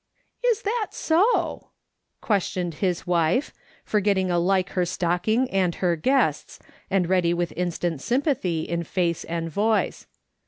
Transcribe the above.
" Is that so ?" questioned his wife, forgetting alike her stocking and her guests, and ready with instant sympathy in face and voice.